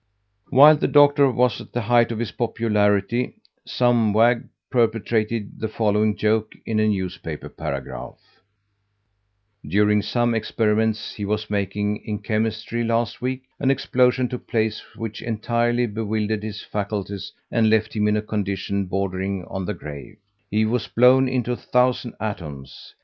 While the Doctor was at the height of his popularity, some wag perpetrated the following joke in a newspaper paragraph: "During some experiments he was making in chemistry last week, an explosion took place which entirely bewildered his faculties and left him in a condition bordering on the grave. He was blown into a thousand atoms.